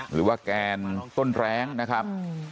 หรือว่าแกนต้นแรงนะครับ